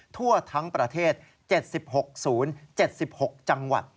ทั่วทั้งประเทศ๗๖๐๗๖จังหวัด